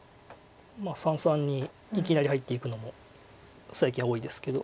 三々にいきなり入っていくのも最近は多いですけど。